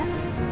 oh gitu ya